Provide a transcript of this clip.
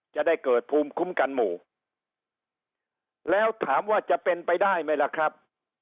จะได้เกิดภูมิคุ้มกันหมู่แล้วถามว่าจะเป็นไปได้ไหมล่ะครับ